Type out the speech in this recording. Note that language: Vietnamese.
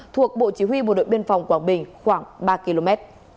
thuộc bộ chỉ huy bộ đội biên phòng quảng bình khoảng ba km